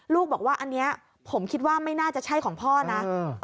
ลูกบอกว่าอันนี้ผมคิดว่าไม่น่าจะใช่ของพ่อนะ